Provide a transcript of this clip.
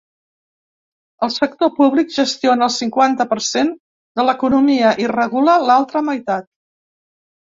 El sector públic gestiona el cinquanta per cent de l’economia i regula l’altra meitat.